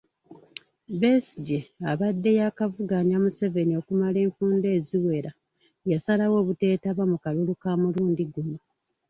Besigye abadde yaakavuganya Museveni okumala enfunda eziwera yasalawo obuteetaba mu kalulu ka mulundi guno.